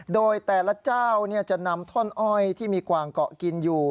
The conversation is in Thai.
โดยแต่ละเจ้าจะนำท่อนอ้อยที่มีกวางเกาะกินอยู่